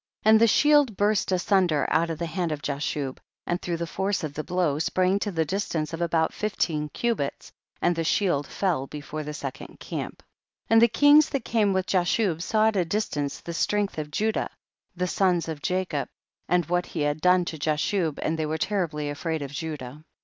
33. And the shield burst asunder out of the hand of Jashub, and through the force of the blow sprang to the distance of about fifteen cubits, and the shield fell before the second camp. 34. And the kings that came with Jashub saw at a distance the strength of Judah, the son of Jacob, and what * The literal tran.slation of this is, " and Ju dah gave his soul to die." he had done to Jashub, and they were terribly afraid of Judah.